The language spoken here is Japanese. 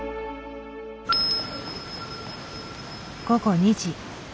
午後２時。